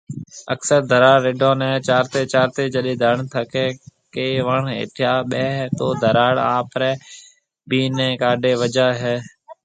اڪثر ڌراڙ رڍون ني چارتي چارتي جڏي ڌڻ ٿڪي ڪي وڻ هيٺيا ٻيۿي تو ڌراڙ آپري بينا ڪاڍي بجاوي هي